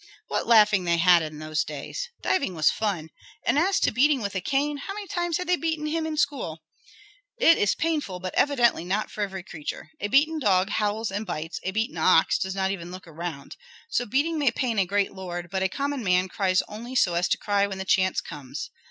What laughing they had in those days! Diving was fun. And as to beating with a cane, how many times had they beaten him in school? It is painful, but evidently not for every creature. A beaten dog howls and bites; a beaten ox does not even look around. So beating may pain a great lord, but a common man cries only so as to cry when the chance comes.